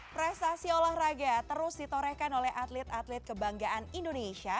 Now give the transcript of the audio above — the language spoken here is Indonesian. prestasi olahraga terus ditorehkan oleh atlet atlet kebanggaan indonesia